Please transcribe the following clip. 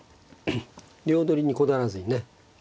両取りにこだわらずにね。